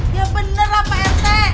ya bener lah pak rt